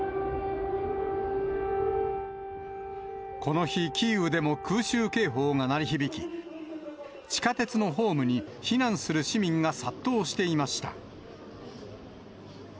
この日、キーウでも空襲警報が鳴り響き、地下鉄のホームに避難する市民が殺到していました。